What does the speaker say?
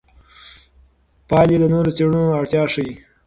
پایلې د نورو څېړنو اړتیا ښيي.